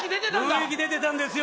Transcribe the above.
雰囲気出てたんですよ